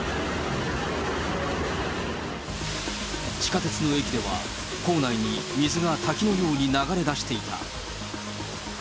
地下鉄の駅では、構内に水が滝のように流れ出していた。